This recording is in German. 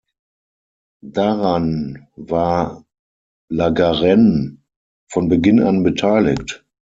Daran war La Garenne von Beginn an beteiligt.